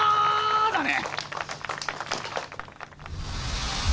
だね。